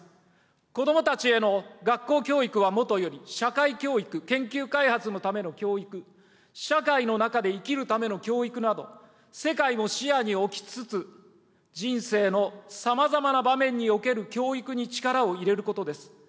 子どもたちへの学校教育はもとより社会教育、研究開発のための教育、社会の中で生きるための教育など、世界を視野に置きつつ、人生のさまざまな場面における教育に力を入れることです。